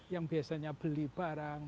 yang biasanya beli barang